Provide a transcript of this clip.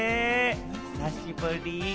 久しぶり。